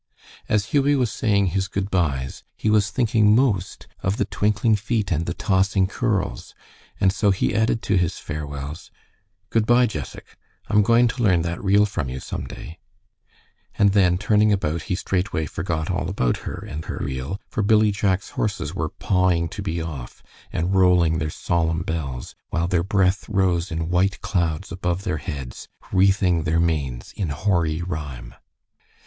As Hughie was saying his good bys, he was thinking most of the twinkling feet and the tossing curls, and so he added to his farewells, "Good by, Jessac. I'm going to learn that reel from you some day," and then, turning about, he straight way forgot all about her and her reel, for Billy Jack's horses were pawing to be off, and rolling their solemn bells, while their breath rose in white clouds above their heads, wreathing their manes in hoary rime.